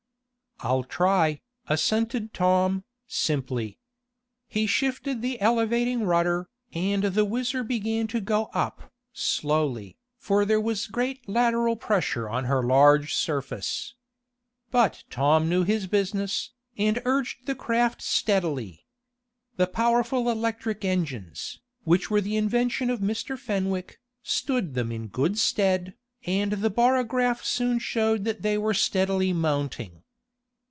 "I'll try," assented Tom, simply. He shifted the elevating rudder, and the WHIZZER began to go up, slowly, for there was great lateral pressure on her large surface. But Tom knew his business, and urged the craft steadily. The powerful electric engines, which were the invention of Mr. Fenwick, stood them in good stead, and the barograph soon showed that they were steadily mounting.